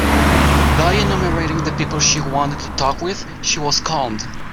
By enumerating the people she wanted to talk with, she was calmed.